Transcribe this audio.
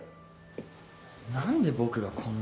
何で僕がこんなこと。